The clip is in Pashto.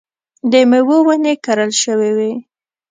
د مېوو ونې کرل شوې وې.